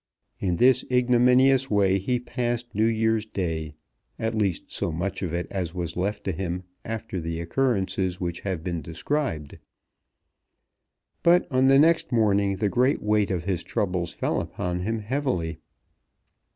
In this ignominious way he passed New Year's Day, at least so much of it as was left to him after the occurrences which have been described. But on the next morning the great weight of his troubles fell upon him heavily.